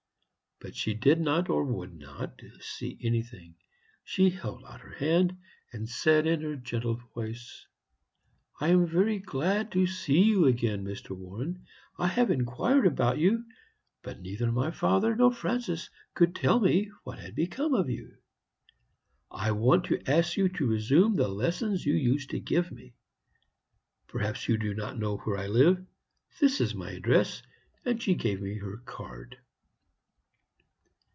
But she did not, or would not, see anything. She held out her hand, and said in her gentle voice: "'I am very glad to see you again, Mr. Warren. I have inquired about you, but neither my father nor Francis could tell me what had become of you. I want to ask you to resume the lessons you used to give me. Perhaps you do not know where I live? This is my address,' and she gave me her card.